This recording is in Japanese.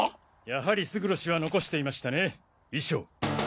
やはり勝呂氏は残していましたね遺書を。